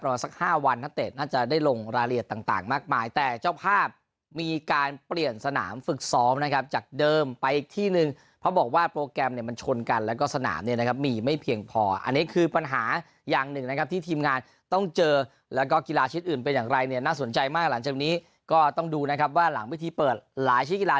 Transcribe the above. เพราะว่าสักห้าวันน่ะเตะน่าจะได้ลงรายละเอียดต่างต่างมากมายแต่เจ้าภาพมีการเปลี่ยนสนามฝึกซ้อมนะครับจากเดิมไปอีกที่นึงเพราะบอกว่าโปรแกรมเนี่ยมันชนกันแล้วก็สนามเนี่ยนะครับมีไม่เพียงพออันเนี้ยคือปัญหาอย่างหนึ่งนะครับที่ทีมงานต้องเจอแล้วก็กีฬาชิ้นอื่นเป็นอย่างไรเนี่ยน่าสนใจมาก